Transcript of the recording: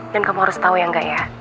dan kamu harus tau ya enggak ya